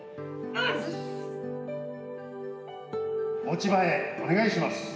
「持ち場へお願いします。